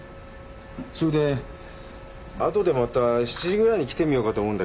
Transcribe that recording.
それで後でまた７時ぐらいに来てみようかと思うんだけど。